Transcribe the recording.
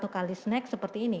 satu kali snack seperti ini